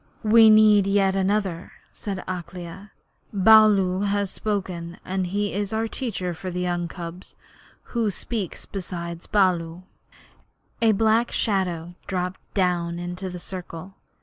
'We need yet another,' said Akela. 'Baloo has spoken, and he is our teacher for the young cubs. Who speaks beside Baloo?' A black shadow dropped down into the circle.